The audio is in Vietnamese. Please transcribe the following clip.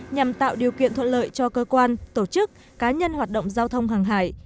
nhằm tạo điều kiện thuận lợi cho cơ quan tổ chức cá nhân hoạt động giao thông hàng hải